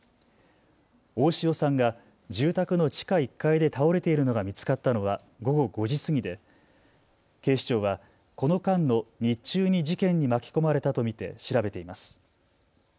大塩さんが住宅の地下１階で倒れているのが見つかったのは午後５時過ぎで警視庁はこの間の日中に事件に巻き込まれたと見て調べています。